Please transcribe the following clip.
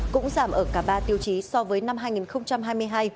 cũng giảm ở cả ba tiêu chí so với năm hai nghìn hai mươi hai